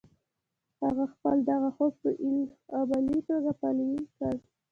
هغه خپل دغه خوب په عملي توګه پلی کړ